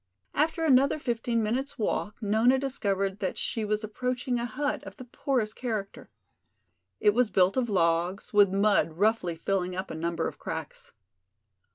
After another fifteen minutes' walk Nona discovered that she was approaching a hut of the poorest character. It was built of logs, with mud roughly filling up a number of cracks.